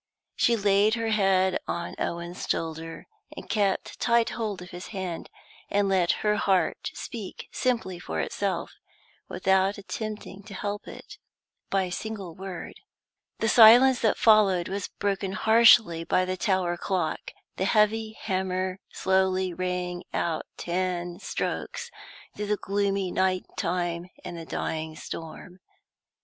She laid her head on Owen's shoulder, and kept tight hold of his hand, and let her heart speak simply for itself, without attempting to help it by a single word. The silence that followed was broken harshly by the tower clock. The heavy hammer slowly rang out ten strokes through the gloomy night time and the dying storm.